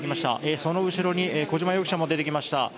その後ろに小島容疑者も出てきました。